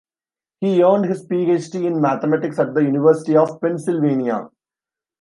He earned his Ph.D. in Mathematics at the University of Pennsylvania.